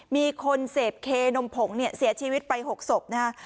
มีคนเสพเคนมผงเนี่ยเสียชีวิตไป๖ศพนะฮะ